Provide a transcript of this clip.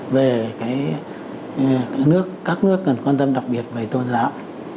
về các nước cần quan tâm đặc biệt về tôn giáo